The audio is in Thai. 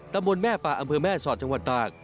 ตำบลแม่ป่าอำเภอแม่สอดจังหวัดตาก